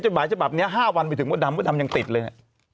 หมายฉบับนี้๕วันไปถึงมดดำมดดำยังติดเลยเนี่ย